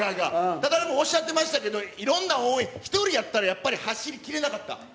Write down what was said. だから、おっしゃってましたけど、いろんな応援、１人やったらやっぱり走り切れなかった？